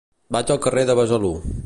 Vaig al carrer de Besalú.